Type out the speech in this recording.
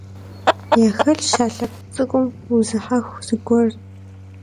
Яхэлъщ а лъэпкъ цӀыкӀум узыхьэху зыгуэр.